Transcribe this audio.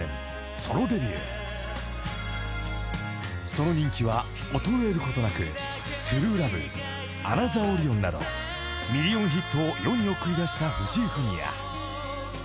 ［その人気は衰えることなく『ＴＲＵＥＬＯＶＥ』『ＡｎｏｔｈｅｒＯｒｉｏｎ』などミリオンヒットを世に送り出した藤井フミヤ］